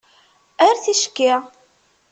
Ar ticki.